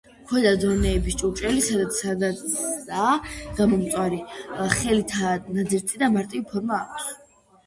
ქვედა დონეების ჭურჭელი სუსტადაა გამომწვარი, ხელითაა ნაძერწი და მარტივი ფორმა აქვს.